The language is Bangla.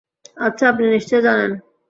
আচ্ছা, আপনি নিশ্চয় জানেন।